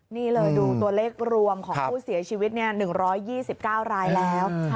นี่เลยดูตัวเลขรวมของผู้เสียชีวิต๑๒๙รายแล้ว